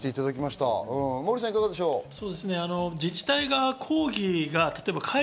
モーリーさん、いかがでしょう？